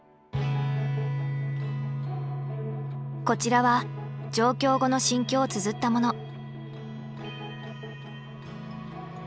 こちらは上京後の心境をつづったもの。